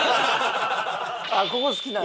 ここ好きなんや。